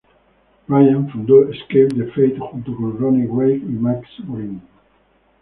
Bryan fundó Escape The Fate junto con Ronnie Radke y Max Green.